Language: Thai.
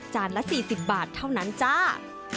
ละ๔๐บาทเท่านั้นจ้า